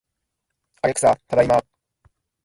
アレクサ、ただいま